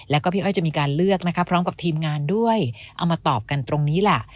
แล้วก็พี่อ้อยจะมีการเลือกนะคะพร้อมกับทีมงานด้วยเอามาตอบกันตรงนี้ล่ะ